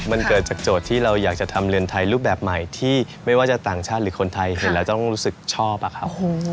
มันเกิดจากโจทย์ที่เราอยากจะทำเรือนไทยรูปแบบใหม่ที่ไม่ว่าจะต่างชาติหรือคนไทยเห็นแล้วต้องรู้สึกชอบอะครับ